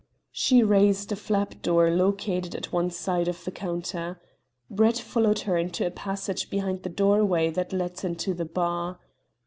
She raised a flap door located at one side of the counter. Brett followed her into a passage behind the doorway that led into the bar.